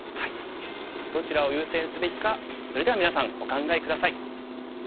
どちらを優先すべきかそれではみなさんお考え下さい。